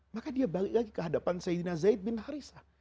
maka dia balik lagi kehadapan saidina zaid bin haritha